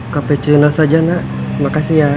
kpc saja nak makasih ya